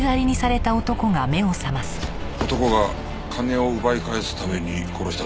男が金を奪い返すために殺したというのか？